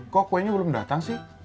kok kuenya belum datang sih